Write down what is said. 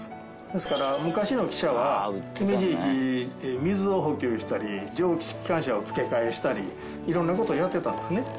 ですから昔の汽車は姫路駅で水を補給したり蒸気機関車を付け替えしたり色んな事をやってたんですね。